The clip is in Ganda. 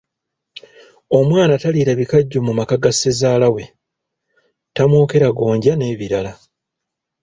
Omwana taliira bikajjo mu maka ga ssezaala we, tamwokera gonja n’ebirala.